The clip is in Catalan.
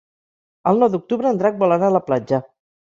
El nou d'octubre en Drac vol anar a la platja.